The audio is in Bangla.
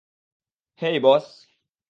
হেই, বস।